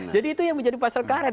jadi itu yang menjadi pasal karat